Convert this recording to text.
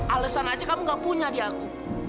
alasan aja kamu gak punya di aku